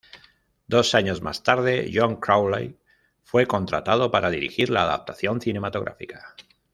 Dos años más tarde, John Crowley fue contratado para dirigir la adaptación cinematográfica.